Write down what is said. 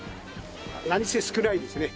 何せ少ないですね。